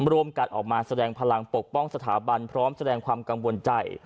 ร่วมกันออกมาแสดงพลังปกป้องสถาบันพร้อมแสดงความกังวลใจ